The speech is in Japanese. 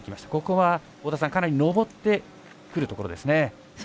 ここは、かなり上ってくるところですね。